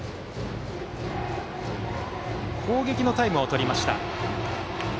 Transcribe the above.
攻撃のタイムをとりました。